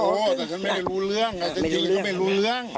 โอ้โฮแต่ฉันไม่รู้เรื่องแต่จริงไม่รู้เรื่อง